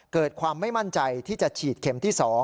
เกิดความไม่มั่นใจที่จะฉีดเข็มที่๒